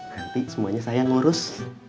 nanti semuanya saya ngurus